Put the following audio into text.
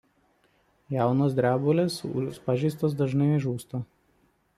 Jaunos drebulės pažeistos dažnai žūsta.